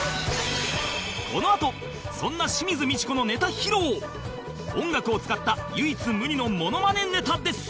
このあとそんな清水ミチコのネタ披露音楽を使った唯一無二のモノマネネタです